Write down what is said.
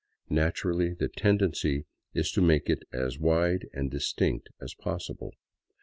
Naturally, the tendency is to make it as wide and distinct as possible.